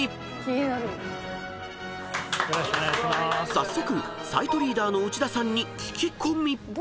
［早速サイトリーダーの内田さんに聞き込み］